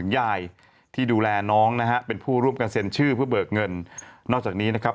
ยายที่ดูแลน้องนะฮะเป็นผู้ร่วมกันเซ็นชื่อเพื่อเบิกเงินนอกจากนี้นะครับ